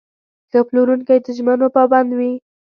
ښه پلورونکی د ژمنو پابند وي.